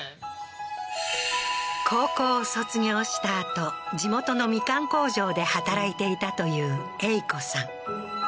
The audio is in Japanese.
高校を卒業したあと地元のみかん工場で働いていたというエイ子さん